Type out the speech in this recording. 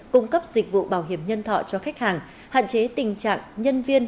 cung cấp dịch vụ bảo hiểm nhân thọ cho khách hàng hạn chế tình trạng nhân viên